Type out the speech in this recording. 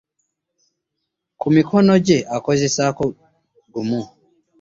Ku mikono gye akozesaako gumu.